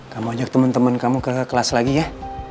kamu ajak temen temen kamu ke kelas lagi ya